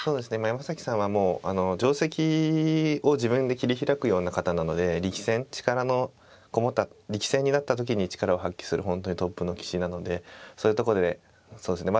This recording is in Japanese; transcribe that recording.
山崎さんはもう定跡を自分で切り開くような方なので力戦力のこもった力戦になった時に力を発揮する本当にトップの棋士なのでそういうところでそうですね。